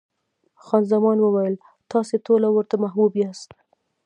خان زمان وویل، تاسې ټوله ورته محبوب یاست.